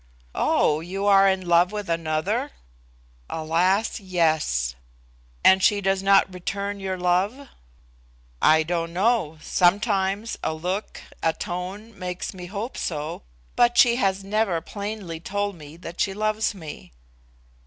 "Oh! You are in love with another?" "Alas! Yes." "And she does not return your love?" "I don't know. Sometimes a look, a tone, makes me hope so; but she has never plainly told me that she loves me."